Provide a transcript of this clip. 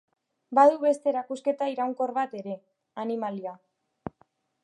Badu beste erakusketa iraunkor bat ere: Animalia.